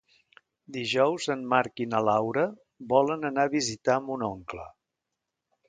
Dijous en Marc i na Laura volen anar a visitar mon oncle.